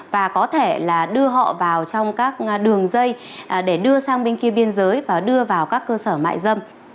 và có thể là đưa họ vào trong các đường dây để đưa sang bên kia biên giới và đưa vào các cơ sở mại dâm